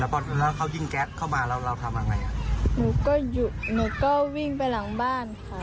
พอแล้วเขายิงแก๊สเข้ามาแล้วเราทำยังไงอ่ะหนูก็หยุดหนูก็วิ่งไปหลังบ้านค่ะ